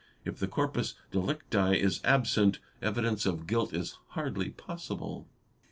If the corpus delicti is absent, evidence of guilt is hardly possible.